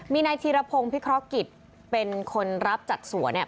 มีนายธีรพงศ์พิเคราะห์กิจเป็นคนรับจัดสวนเนี่ย